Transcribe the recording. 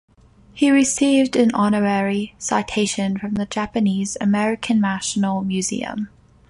He received an honorary citation from the Japanese American National Museum.